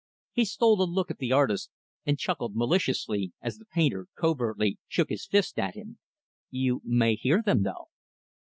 He stole a look at the artist, and chuckled maliciously as the painter covertly shook his fist at him. "You may hear them though."